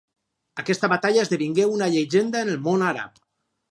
Aquesta batalla esdevingué una llegenda en el món àrab.